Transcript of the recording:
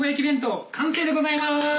弁当完成でございます！